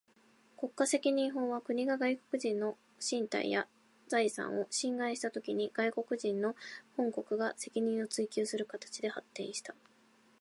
国家責任法は、国が外国人の身体や財産を侵害したときに、外国人の本国が責任を追求する形で発展した。